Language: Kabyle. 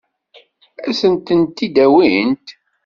Ad sent-ten-id-awint?